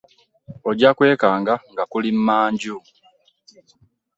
Ojja kwekanga nga nkuli mmanju.